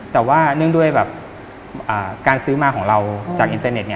แต่ว่าเนื่องด้วยแบบการซื้อมาของเราจากอินเตอร์เน็ต